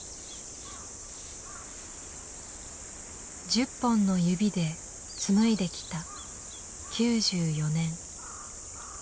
十本の指で紡いできた９４年。